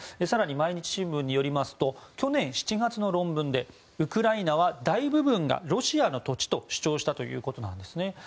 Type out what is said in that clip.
更に、毎日新聞によりますと去年７月の論文でウクライナは大部分がロシアの土地と主張したということなんですね。